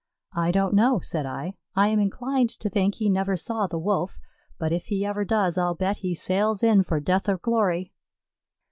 "I don't know," said I. "I am inclined to think he never saw the Wolf; but if he ever does, I'll bet he sails in for death or glory."